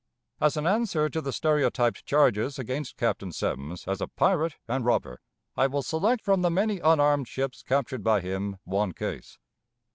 As an answer to the stereotyped charges against Captain Semmes as a "pirate" and robber, I will select from the many unarmed ships captured by him one case.